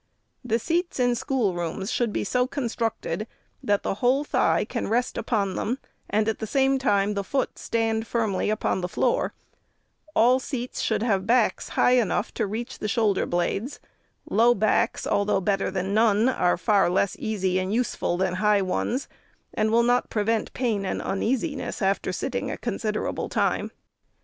The seats in schoolrooms should be so constructed that the whole thigh can rest upon them, and at the same time the foot stand firmly upon the floor ; all seats should have backs high enough to reach the shoulder blades ; low backs, although better than none, are far less easv and useful than high ones, and will not prevent pain and uneasiness after sitting a considerable time.